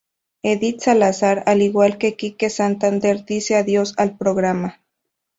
Edith Salazar, al igual que Kike Santander, dice adiós al programa.